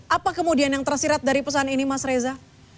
apa kemudian yang tersirat dari pesan ini mas reza